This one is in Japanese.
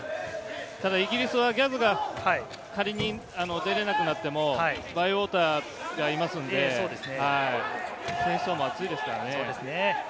イギリスはギャズが仮に出られなくなってもバイウォーターがいますので、選手層も厚いですからね。